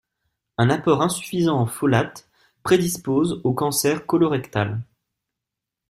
Un apport insuffisant en folates prédispose au cancer colorectal.